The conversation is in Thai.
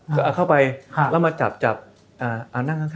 จะเอาเข้าไปแล้วมาจับอาง่านั่งข้างอันนี้